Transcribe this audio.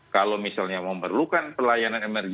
kalau misalnya memerlukan pelayanan energi